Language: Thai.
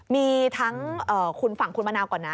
มีทั้งคุณฝั่งคุณมะนาวก่อนนะ